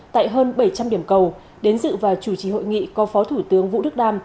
tại hơn bảy trăm linh điểm cầu đến dự và chủ trì hội nghị có phó thủ tướng vũ đức đam